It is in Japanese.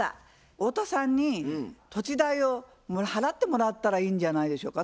太田さんに土地代を払ってもらったらいいんじゃないでしょうか。